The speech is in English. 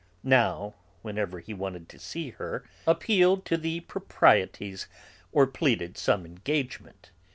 now, whenever he wanted to see her, appealed to the proprieties or pleaded some engagement.